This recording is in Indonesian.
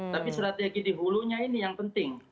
tapi strategi dihulunya ini yang penting